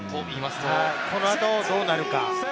この後どうなるか。